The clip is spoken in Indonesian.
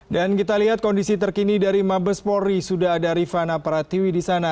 dan kita lihat kondisi terkini dari mabespori sudah ada rifana pratwi di sana